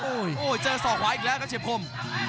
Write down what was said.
โอ้ยเจอสอกขวาอีกแล้วก็เฉียบคม